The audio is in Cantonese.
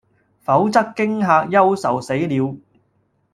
否則驚嚇憂愁死了，